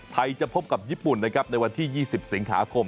ไทยจะพบกับญี่ปุ่นในวันที่๒๐สิงหาคม